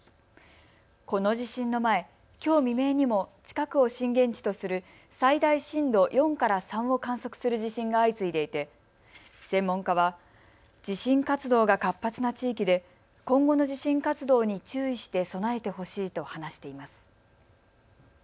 この地震の前、きょう未明にも近くを震源地とする最大震度４から３を観測する地震が相次いでいて専門家は地震活動が活発な地域で今後の地震活動に注意して備えてほしいと話しています。